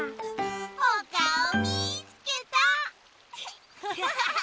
おかおみつけた！